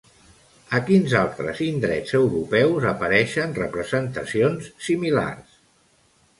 A quins altres indrets europeus apareixen representacions similars?